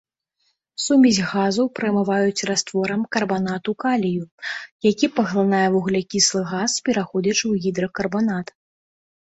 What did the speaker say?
Сумесь газаў прамываюць растворам карбанату калію, які паглынае вуглякіслы газ, пераходзячы ў гідракарбанат.